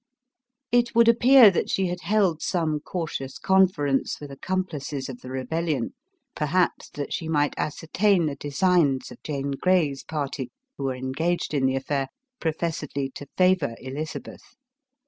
It would appear that she had held some cautious conference with accomplices of the rebellion, perhaps that she might ascertain the de signs of Jane Grey's party, who were engaged in the affair, professedly to favor Elizabeth.